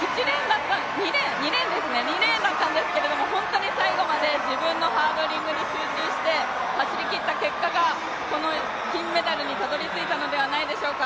２レーンだったんですけれども、本当に最後まで自分のハードリングに集中して走りきった結果がこの金メダルにたどりついたのではないでしょうか。